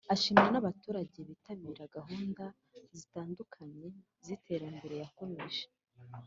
ashimira n abaturage bitabira gahunda zitandukanye z iterambere Yakomeje